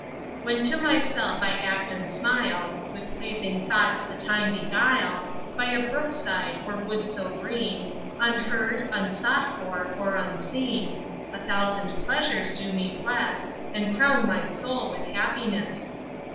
When to myself I act and smile, With pleasing thoughts the time beguile, By a brook side or wood so green, Unheard, unsought for, or unseen, A thousand pleasures do me bless, And crown my soul with happiness.